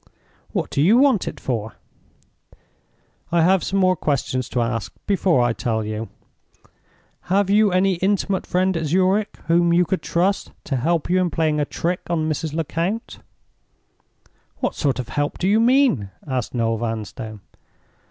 "What do you want it for?" "I have some more questions to ask before I tell you. Have you any intimate friend at Zurich whom you could trust to help you in playing a trick on Mrs. Lecount?" "What sort of help do you mean?" asked Noel Vanstone.